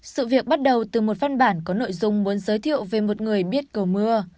sự việc bắt đầu từ một văn bản có nội dung muốn giới thiệu về một người biết cầu mưa